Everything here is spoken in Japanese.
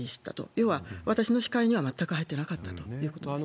要は、私の視界には全く入ってなかったということですね。